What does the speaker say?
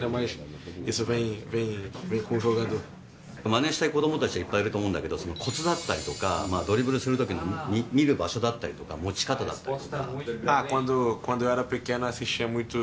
まねしたい子どもたちがいっぱいいると思うんだけど、そのこつだったりとか、ドリブルするときの見る場所だったりとか、持ち方だったり。